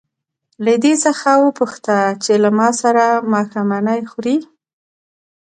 له دې څخه وپوښته چې له ما سره ماښامنۍ خوري.